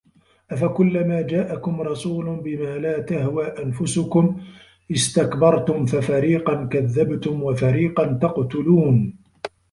أَفَكُلَّمَا جَاءَكُمْ رَسُولٌ بِمَا لَا تَهْوَىٰ أَنْفُسُكُمُ اسْتَكْبَرْتُمْ فَفَرِيقًا كَذَّبْتُمْ وَفَرِيقًا تَقْتُلُونَ